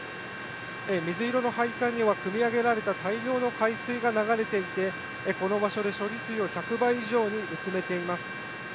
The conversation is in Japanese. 水色の配管にはくみ上げられた大量の海水が流れていて、この場所で処理水を１００倍以上に薄めています。